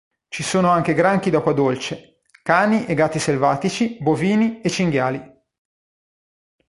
Ci sono anche granchi d'acqua dolce, cani e gatti selvatici, bovini e cinghiali.